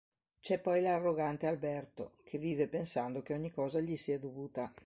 C'è poi l'arrogante Alberto, che vive pensando che ogni cosa gli sia dovuta.